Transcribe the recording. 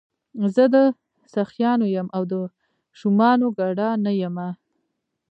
زه د سخیانو یم او د شومانو ګدا نه یمه.